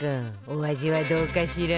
お味はどうかしら？